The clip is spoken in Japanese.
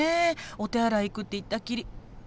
お手洗い行くって言ったきり。